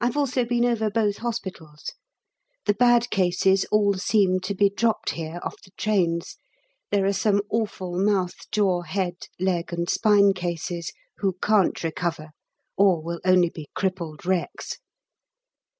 I've also been over both hospitals. The bad cases all seem to be dropped here off the trains; there are some awful mouth, jaw, head, leg, and spine cases, who can't recover, or will only be crippled wrecks.